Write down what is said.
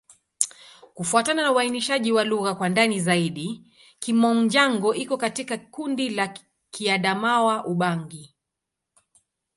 Kufuatana na uainishaji wa lugha kwa ndani zaidi, Kimom-Jango iko katika kundi la Kiadamawa-Ubangi.